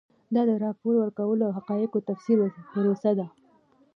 دا د راپور ورکولو او حقایقو د تفسیر پروسه ده.